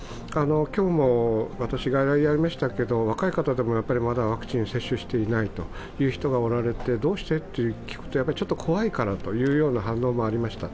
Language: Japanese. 今日も私、外来やりましたけれども若い方でもまだワクチン接種していないという人がおられて、どうしてと聞くと、ちょっと怖いからという反応もありました。